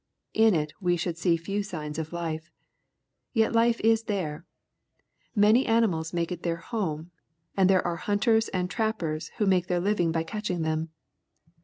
In it we should see few signs of life. Yet life is there. Many animals make it their home, and there are hunters and trappers who make their living by catching them.